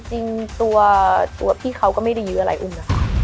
จริงตัวพี่เขาก็ไม่ได้ยื้ออะไรอุ้มนะคะ